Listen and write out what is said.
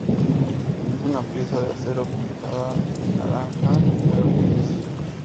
Es una pieza de acero pintada en naranja, negro y gris.